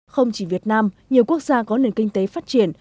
không chỉ việt nam nhiều quốc gia có nền kinh tế phát triển